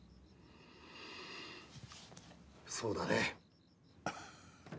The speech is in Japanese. そうだね。